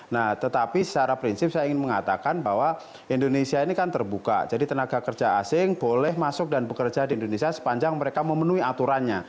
nah tetapi secara prinsip saya ingin mengatakan bahwa indonesia ini kan terbuka jadi tenaga kerja asing boleh masuk dan bekerja di indonesia sepanjang mereka memenuhi aturannya